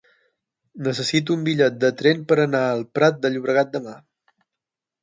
Necessito un bitllet de tren per anar al Prat de Llobregat demà.